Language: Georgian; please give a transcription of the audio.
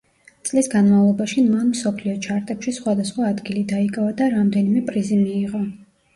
წლის განმავლობაში მან მსოფლიო ჩარტებში სხვადასხვა ადგილი დაიკავა და რამდენიმე პრიზი მიიღო.